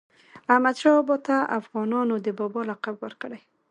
احمدشاه بابا ته افغانانو د "بابا" لقب ورکړی.